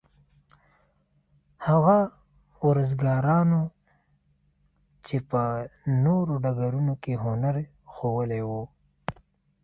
هغو ورزشکارانو چې په نورو ډګرونو کې هنر ښوولی وو.